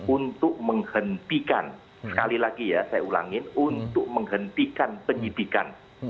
untuk menghentikan sekali lagi ya saya ulangin untuk menghentikan penyidikan